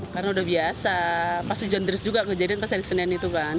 karena sudah biasa pas hujan deras juga kejadian pas hari senin itu kan